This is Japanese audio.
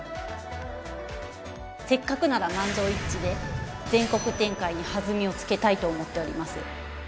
せっかくなら満場一致で全国展開に弾みをつけたいと思っております